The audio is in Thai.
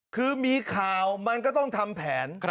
คือมีข่าวมันก็ต้องทำแผน